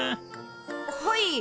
はい。